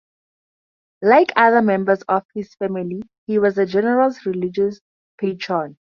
Like other members of his family, he was a generous religious patron.